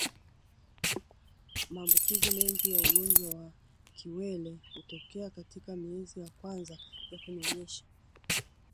Maambukizi mengi ya ugonjwa wa kiwele hutokea katika miezi ya kwanza ya kunyonyesha